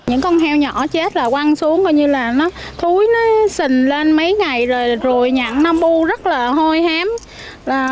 những con heo nhỏ chết là quăng xuống coi như là nó thúi nó xình lên mấy ngày rồi nhẵn nó bu rất là hôi héo